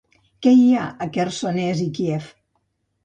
Què hi ha a Quersonès i Kíev?